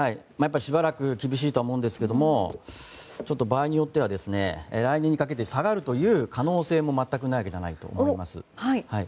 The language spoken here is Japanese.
しばらく厳しいと思いますが場合によっては来年にかけて下がる可能性も全くないわけではないと思います。